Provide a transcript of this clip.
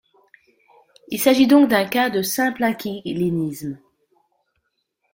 Il s’agit donc d’un cas de simpleinquilinisme.